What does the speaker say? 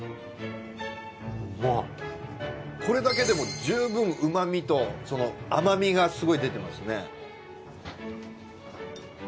これだけでも十分旨味と甘味がすごい出てますね。